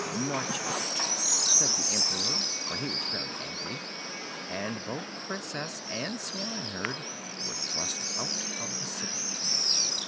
"March out!" said the Emperor, for he was very angry; and both Princess and swineherd were thrust out of the city.